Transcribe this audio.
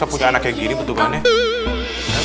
aduh ustadz nanti dia orang ambil uang ustadz